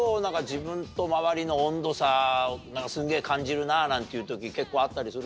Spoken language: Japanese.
自分と周りの温度差すげぇ感じるななんていう時結構あったりする？